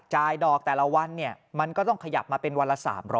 ดอกแต่ละวันมันก็ต้องขยับมาเป็นวันละ๓๐๐